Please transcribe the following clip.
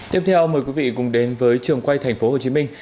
tiếp theo mời quý vị cùng đến với trường quay thành phố hồ chí minh